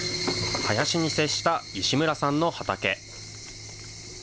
林に接した石村さんの畑。